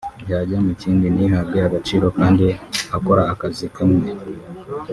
yajya mu kindi ntihabwe agaciro kandi akora akazi kamwe